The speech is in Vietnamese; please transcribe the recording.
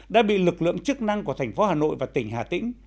đã bị lực lượng chức năng của thành phố hà nội và tỉnh hà tĩnh